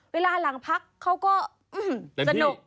เวลาหลังพักเขาก็อื้อหือสนุก